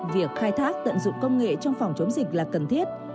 việc khai thác tận dụng công nghệ trong phòng chống dịch là cần thiết